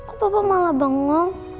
apa pa malah bangun